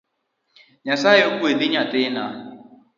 Nyasaye ogwedhi nyathina